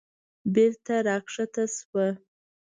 بېرته راکښته شوه.